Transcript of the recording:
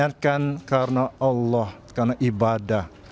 dan tugas niatkan karena allah karena ibadah